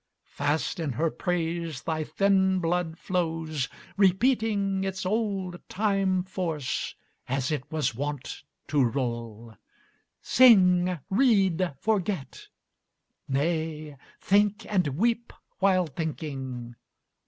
Fast in her praise thy thin blood flows, repeating Its old time force, as it was wont to roll. Sing, read, forget; nay, think and weep while thinking.